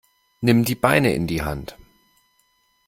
Nimm die Beine in die Hand.